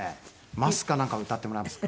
『鱒』かなんか歌ってもらいますか。